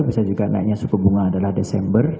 bisa juga naiknya suku bunga adalah desember